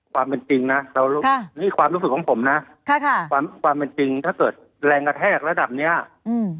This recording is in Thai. ความเป็นจริงนะเรารู้นี่ความรู้สึกของผมนะค่ะความความเป็นจริงถ้าเกิดแรงกระแทกระดับเนี้ยอืม